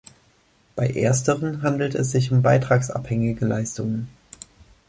Bei Ersteren handelt es sich um beitragsabhängige Leistungen.